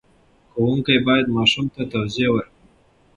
ښوونکی باید ماشوم ته توضیح ورکړي.